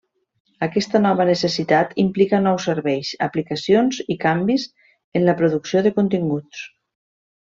Aquesta nova necessitat implica nous serveis, aplicacions i canvis en la producció de continguts.